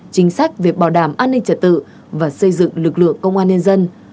chính sách về bảo đảm an ninh trật tự và xây dựng lực lượng công an nhân dân